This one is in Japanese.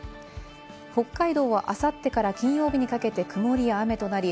北海道はあさってから金曜日にかけて曇りや雨となり、